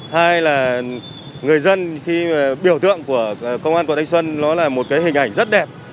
hai là người dân khi biểu tượng của công an quận thanh xuân nó là một cái hình ảnh rất đẹp